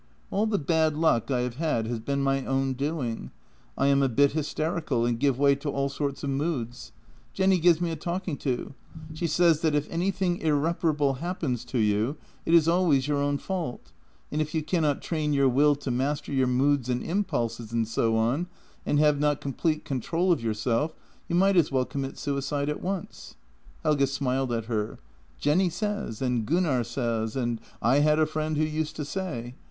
" All the bad luck I have had has been my own doing. I am a bit hysterical, and give way to all sorts of moods. Jenny gives me a talking to; she says that if anything irreparable happens to you it is always your own fault, and if you cannot train your will to master your moods and impulses and so on, and have not complete control of yourself, you might as well commit suicide at once." Helge smiled at her. " Jenny says," and " Gunnar says," and " I had a friend who used to say."